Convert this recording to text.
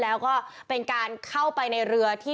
แต่ว่าไม่สามารถผ่านเข้าไปที่บริเวณถนน